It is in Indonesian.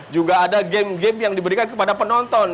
juga ada game game yang diberikan kepada penonton